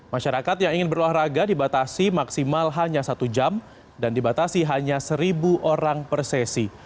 masyarakat yang ingin berolahraga dibatasi maksimal hanya satu jam dan dibatasi hanya seribu orang per sesi